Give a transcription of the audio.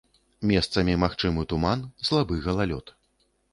Месцамі магчымы туман, слабы галалёд.